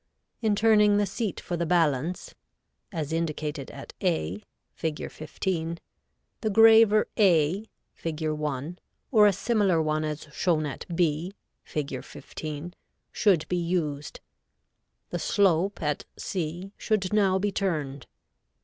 In turning the seat for the balance, as indicated at A, Fig. 15, the graver A, Fig. 1, or a similar one as shown at B, Fig. 15, should be used. The slope at C should now be turned.